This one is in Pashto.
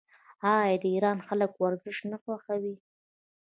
آیا د ایران خلک ورزش نه خوښوي؟